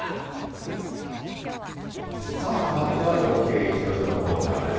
さあ、変わっては４Ｋイチオシ！のコーナーです。